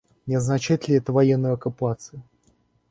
Не означает ли это военную оккупацию?